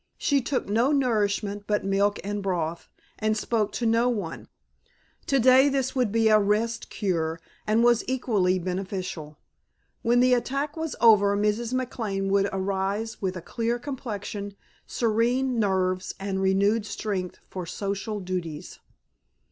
She took no nourishment but milk and broth and spoke to no one. Today this would be a rest cure and was equally beneficial. When the attack was over Mrs. McLane would arise with a clear complexion, serene nerves, and renewed strength for social duties.